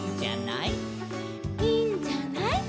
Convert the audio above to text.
「いいんじゃない」